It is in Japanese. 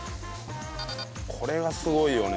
これがすごいよね。